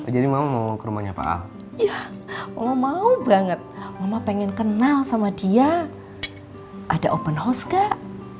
jadi mau ke rumahnya pak ya mau banget pengen kenal sama dia ada open house gak